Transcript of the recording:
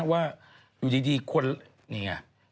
ว่าอยู่ดีคนนี่ไง